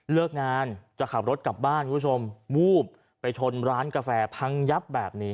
เลิกงานจะขับรถกลับบ้านไปชนร้านกาแฟผังยับแบบนี้